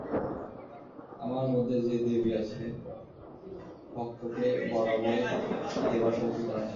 আমার মধ্যে যে দেবী আছে ভক্তকে বরাভয় দেবার শক্তি তার নেই?